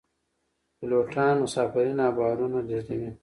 پیلوټان مسافرین او بارونه لیږدوي